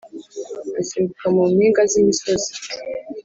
asimbuka mu mpinga z’imisozi,